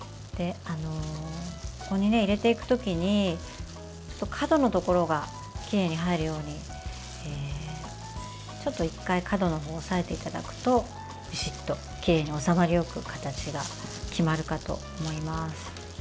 ここに入れていく時に角のところがきれいに入るようにちょっと１回角の方を押さえていただくとびしっときれいに収まりよく形が決まるかと思います。